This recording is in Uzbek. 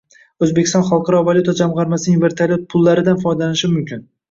Oʻzbekiston Xalqaro valyuta jamgʻarmasining “vertolyot pullari”dan foydalanishi mumkin.